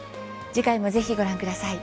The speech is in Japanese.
次回もぜひご覧ください。